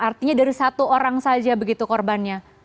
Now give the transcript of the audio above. artinya dari satu orang saja begitu korbannya